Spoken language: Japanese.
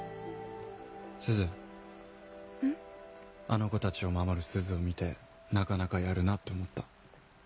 あの子たちを守るすずを見てなかなかやるなって思った。